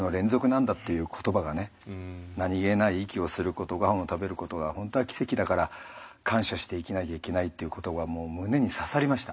何気ない息をすることごはんを食べることが本当は奇跡だから感謝して生きなきゃいけないっていうことが胸に刺さりました。